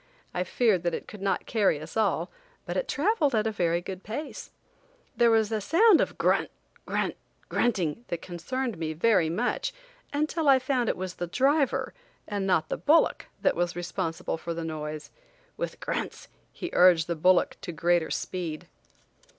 I feared that it could not carry us all, but it traveled at a very good pace. There was a sound of grunt, grunt, grunting that concerned me very much until l found it was the driver and not the bullock that was responsible for the noise. With grunts he urged the bullock to greater speed.